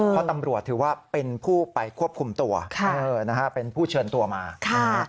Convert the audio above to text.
เพราะตำรวจถือว่าเป็นผู้ไปควบคุมตัวนะฮะเป็นผู้เชิญตัวมานะฮะ